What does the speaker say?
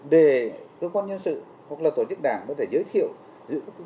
để cơ quan nhân sự hoặc là tổ chức đảng có thể giới thiệu giữ cơ vị này